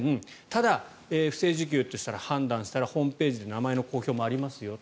ただ、不正受給と判断したらホームページで名前の公表もありますよ。